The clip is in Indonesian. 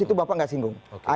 itu yang saya sebutkan